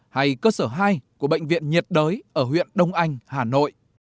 hay cơ sở hai của bệnh viện nhiệt đới ở huyện đông anh hà nội